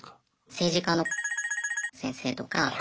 政治家の先生とか。